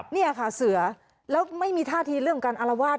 นี่ค่ะเสือแล้วไม่มีท่าทีเรื่องการอารวาส